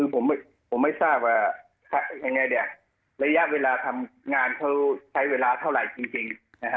ผมไม่ทราบว่ายังไงเนี่ยระยะเวลาทำงานเขาใช้เวลาเท่าไหร่จริง